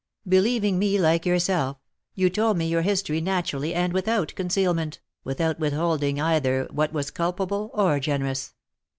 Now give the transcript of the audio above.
"Believing me like yourself, you told me your history naturally and without concealment, without withholding either what was culpable or generous.